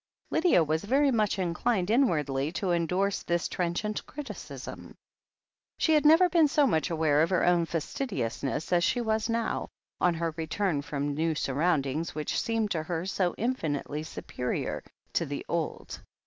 Lydia was very much inclined inwardly to endorse, this trenchant criticism. She had never been so much aware of her own fas tidiousness as she was now, on her retticn from the new surroundings which seemed to her so infinitely superior to the old.